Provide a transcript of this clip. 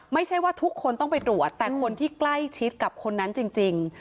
ไม่ใช่ว่าทุกคนต้องไปตรวจแต่คนที่ใกล้ชิดกับคนนั้นจริง